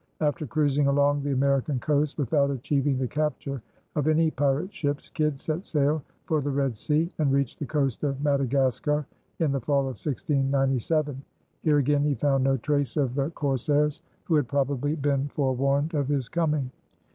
After cruising along the American coast without achieving the capture of any pirate ships Kidd set sail for the Red Sea and reached the coast of Madagascar in the fall of 1697. Here again he found no trace of the corsairs, who had probably been forewarned of his coming.